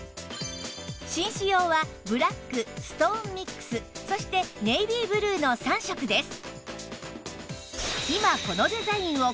紳士用はブラックストーンミックスそしてネイビーブルーの３色です